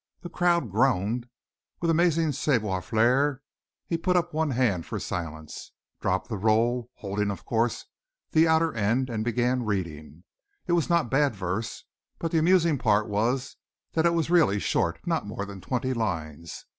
The crowd groaned. With amazing savoir faire he put up one hand for silence, dropped the roll, holding, of course, to the outer end and began reading. It was not bad verse, but the amusing part was that it was really short, not more than twenty lines.